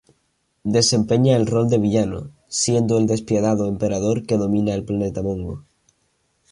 Desempeña el rol de villano, siendo el despiadado emperador que domina el planeta Mongo.